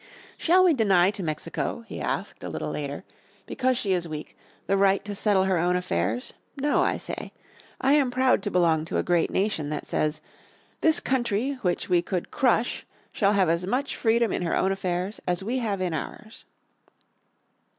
"Shall we deny to Mexico," he asked, a little later, "because she is weak, the right to settle her own affairs? No, I say. I am proud to belong to a great nation that says, 'this country which we could crush shall have as much freedom in her own affairs as we have in ours.'"